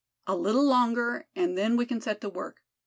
"A little longer, and then we can set to work.